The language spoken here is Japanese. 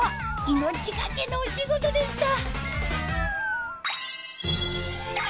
命懸けのお仕事でした。